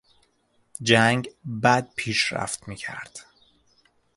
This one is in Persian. جنگ بد پیشرفت میکرد.